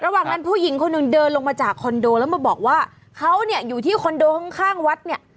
ระหว่างนั้นผู้หญิงคนหนึ่งเดินลงมาจากคอนโดแล้วมาบอกว่าเขาเนี่ยอยู่ที่คอนโดข้างวัดเนี่ย